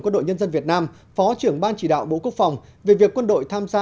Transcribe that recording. quân đội nhân dân việt nam phó trưởng ban chỉ đạo bộ quốc phòng về việc quân đội tham gia